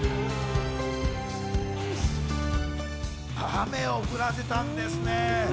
雨を降らせたんですね。